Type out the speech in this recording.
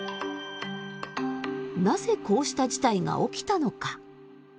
なぜこうした事態が起きたのか。